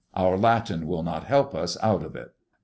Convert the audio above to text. Our Latin will not help us out of it."